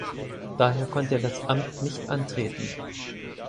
Daher konnte er das Amt nicht antreten.